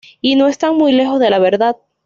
Y no están muy lejos de la verdad.